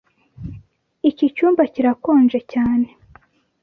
Iki cyumba kirakonje cyane.